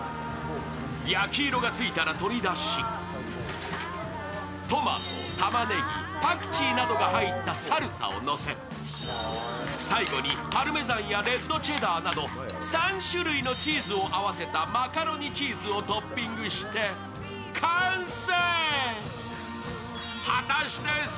焼き色がついたら取り出し、トマト、たまねぎ、パクチーなどが入ったサルサをのせ最後にパルメザンやレッドチェダーなど３種類のチーズを合わせたマカロニチーズをトッピングして完成！